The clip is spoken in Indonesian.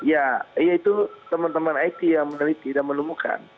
ya itu teman teman it yang meneliti dan menemukan